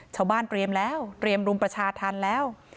ชาวบ้านเตรียมแล้วเตรียมรุมประชาทันแล้ว